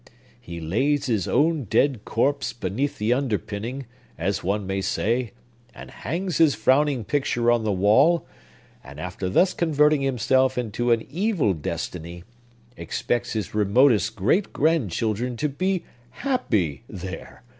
He lays his own dead corpse beneath the underpinning, as one may say, and hangs his frowning picture on the wall, and, after thus converting himself into an evil destiny, expects his remotest great grandchildren to be happy there.